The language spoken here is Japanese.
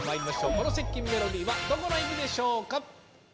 この接近メロディはどこの駅でしょうか？